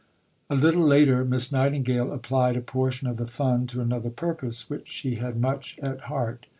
_ IV A little later, Miss Nightingale applied a portion of the Fund to another purpose, which she had much at heart.